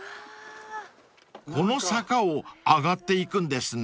［この坂を上がっていくんですね］